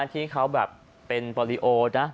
ที่เขาแบบเป็นปอลิโอนะ